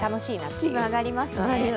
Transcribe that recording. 気分上がりますね。